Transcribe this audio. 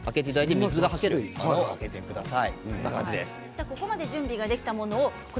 水がはける穴を開けてください。